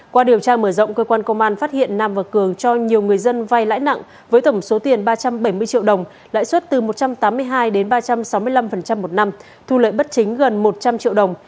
qua điều tra mở rộng cơ quan công an phát hiện nam và cường cho nhiều người dân vai lãi nặng với tổng số tiền ba trăm bảy mươi triệu đồng lãi suất từ một trăm tám mươi hai đến ba trăm sáu mươi năm một năm thu lợi bất chính gần một trăm linh triệu đồng